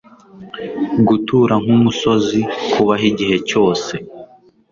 gutura nk'umusozi kubaho igihe cyose